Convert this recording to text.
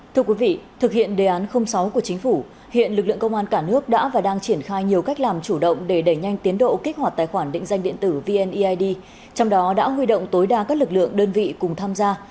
thưa quý vị thực hiện đề án sáu của chính phủ hiện lực lượng công an cả nước đã và đang triển khai nhiều cách làm chủ động để đẩy nhanh tiến độ kích hoạt tài khoản định danh điện tử vneid trong đó đã huy động tối đa các lực lượng đơn vị cùng tham gia